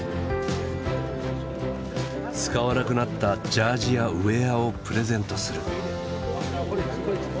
使わなくなったジャージやウエアをプレゼントする。